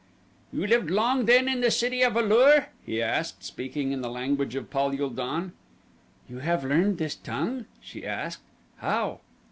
"You lived long then in the city of A lur?" he said, speaking in the language of Pal ul don. "You have learned this tongue?" she asked. "How?"